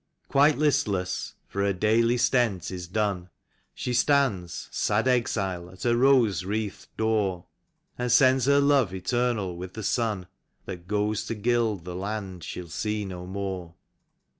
Quite listless, for her daily stent is done. She stands, sad exile, at her rose wreathed door. And sends her love eternal with the sun That goes to gild the land she'll see no more.